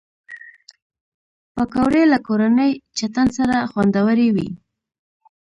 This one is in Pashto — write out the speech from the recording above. پکورې له کورني چټن سره خوندورې وي